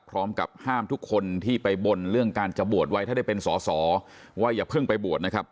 พร้อมกับห้ามทุกคนที่ไปบนเรื่องการจะบวชไว้ถ้าได้เป็นสอสอว่าอย่าเพิ่งไปบวชนะครับ